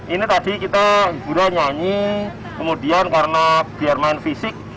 ini tadi kita hiburan nyanyi kemudian karena biar main fisik